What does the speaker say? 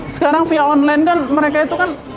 sekarang via online kan mereka itu kan